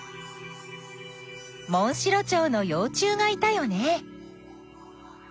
モンシロチョウのよう虫がいたよね。